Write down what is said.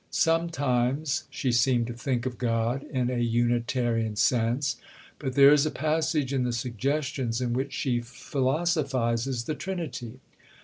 Sometimes she seemed to think of God in a Unitarian sense; but there is a passage in the Suggestions in which she philosophizes the Trinity.